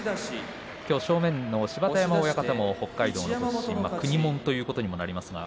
きょう正面の芝田山親方も北海道の出身国もんということになりますか。